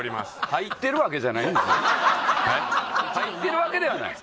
入ってるわけではない？